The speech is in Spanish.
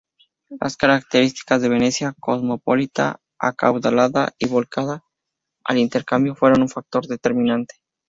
Las características de Venecia, cosmopolita, acaudalada y volcada al intercambio, fueron un factor determinante.